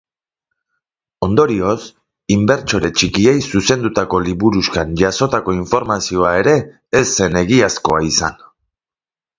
Ondorioz, inbertsore txikiei zuzendutako liburuxkan jasotako informazioa ere ez zen egiazkoa izan.